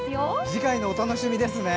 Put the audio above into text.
次回のお楽しみですね。